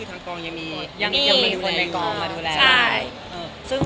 ทางครองยังมีคนมาดูแล